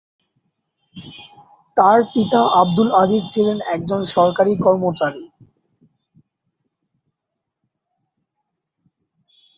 তার পিতা আবদুল আজিজ ছিলেন একজন সরকারি কর্মচারী।